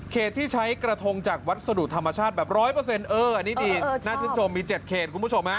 ที่ใช้กระทงจากวัสดุธรรมชาติแบบ๑๐๐เอออันนี้ดีน่าชื่นชมมี๗เขตคุณผู้ชมฮะ